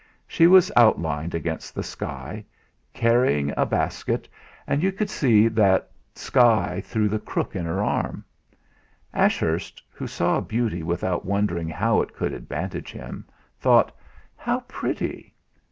She was outlined against the sky, carrying a basket, and you could see that sky through the crook of her arm. And Ashurst, who saw beauty without wondering how it could advantage him, thought: 'How pretty!'